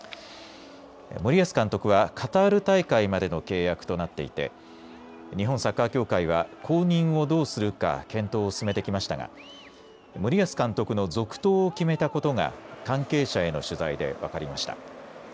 森保監督はカタール大会までの契約となっていて日本サッカー協会は後任をどうするか検討を進めてきましたが森保監督の続投を決めたことが関係者への取材で分かりました。